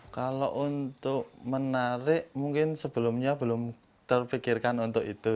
kalau untuk menarik mungkin sebelumnya belum terpikirkan untuk itu